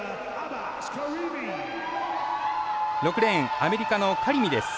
６レーン、アメリカのカリミです。